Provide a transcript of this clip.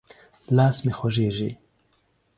لاس مې خوږېږي.